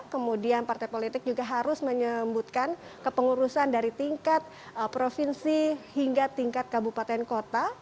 kemudian partai politik juga harus menyebutkan kepengurusan dari tingkat provinsi hingga tingkat kabupaten kota